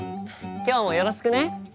今日もよろしくね。